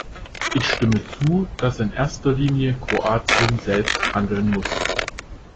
Ich stimme zu, dass in erster Linie Kroatien selbst handeln muss.